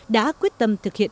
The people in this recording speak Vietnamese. đã quyết tâm thực hiện